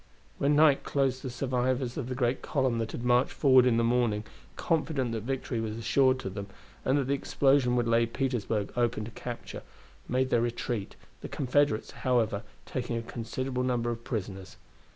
When night closed the survivors of the great column that had marched forward in the morning, confident that victory was assured to them, and that the explosion would lay Petersburg open to capture, made their retreat, the Confederates, however, taking a considerable number of prisoners.